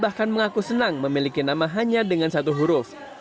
bahkan mengaku senang memiliki nama hanya dengan satu huruf